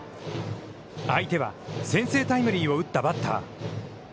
相手は先制タイムリーを打ったバッター。